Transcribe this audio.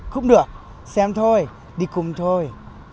cũng được xem thôi đi cùng thôi